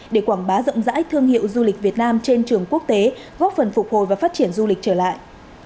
để quảng bá rộng rãi thương hiệu du lịch việt nam trên trường quốc tế góp phần phục hồi và phát triển du lịch trở lại